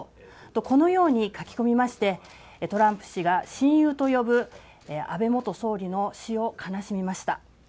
とこのように書き込みましてトランプ氏が親友と呼ぶ安倍元総理の死を悲しみました。